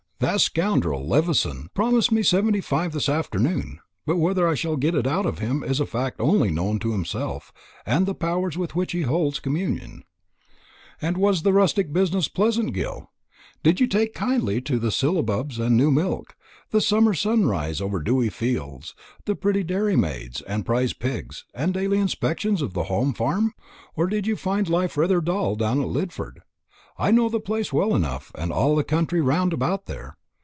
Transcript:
That scoundrel Levison promised me seventy five this afternoon; but whether I shall get it out of him is a fact only known to himself and the powers with which he holds communion. And was the rustic business pleasant, Gil? Did you take kindly to the syllabubs and new milk, the summer sunrise over dewy fields, the pretty dairy maids, and prize pigs, and daily inspections of the home farm? or did you find life rather dull down at Lidford? I know the place well enough, and all the country round about there.